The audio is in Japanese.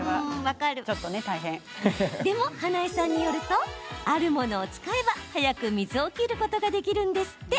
でも、花映さんによるとあるものを使えば早く水を切ることができるんですって。